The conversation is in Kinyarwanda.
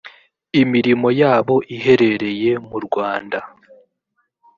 imirimo yabo iherereye mu rwanda